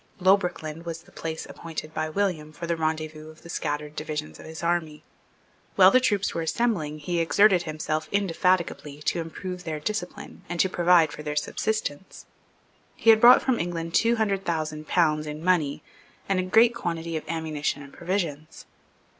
Loughbrickland was the place appointed by William for the rendezvous of the scattered divisions of his army. While his troops were assembling, he exerted himself indefatigably to improve their discipline and to provide for their subsistence. He had brought from England two hundred thousand pounds in money and a great quantity of ammunition and provisions.